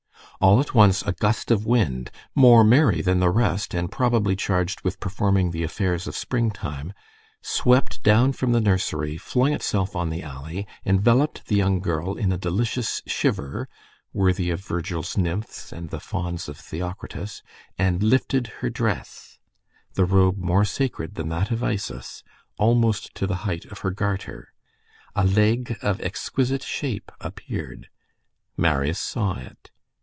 All at once, a gust of wind, more merry than the rest, and probably charged with performing the affairs of Springtime, swept down from the nursery, flung itself on the alley, enveloped the young girl in a delicious shiver, worthy of Virgil's nymphs, and the fawns of Theocritus, and lifted her dress, the robe more sacred than that of Isis, almost to the height of her garter. A leg of exquisite shape appeared. Marius saw it.